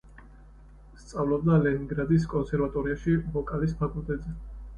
სწავლობდა ლენინგრადის კონსერვატორიაში ვოკალის ფაკულტეტზე.